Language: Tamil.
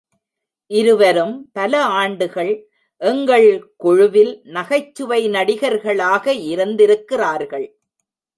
இருவரும் பல ஆண்டுகள் எங்கள் குழுவில் நகைச்சுவை நடிகர்களாக இருந்திருக்கிறார்கள்.